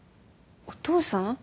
お父さん？